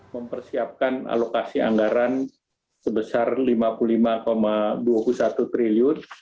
mempersiapkan alokasi anggaran sebesar rp lima puluh lima dua puluh satu triliun